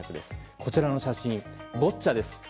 こちらの写真、ボッチャです。